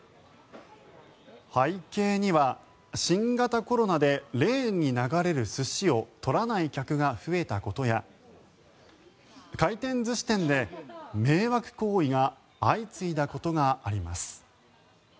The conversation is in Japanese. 背景には、新型コロナでレーンに流れる寿司を取らない客が増えたことや回転寿司店で迷惑行為が相次いだことがあります。